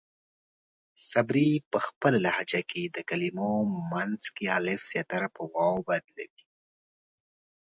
صبري پۀ خپله لهجه کې د کلمو منځ الف زياتره پۀ واو بدلوي.